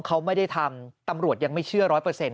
เขาไม่ได้ทำตำรวจยังไม่เชื่อ๑๐๐